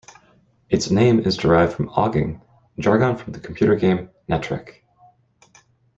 Its name is derived from "ogging", jargon from the computer game "Netrek".